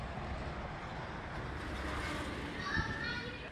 Množí se dělením nebo výsevem.